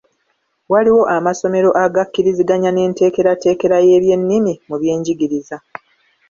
Waliwo amasomero agakkiriziganya n’enteekerateekera y’ebyennimi mu by’enjigiriza.